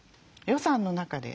予算の中で。